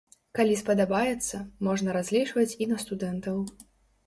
Калі спадабаецца, можна разлічваць і на студэнтаў.